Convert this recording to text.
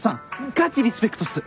がちリスペクトっす。